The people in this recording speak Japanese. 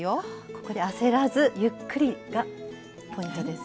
ここで焦らずゆっくりがポイントです。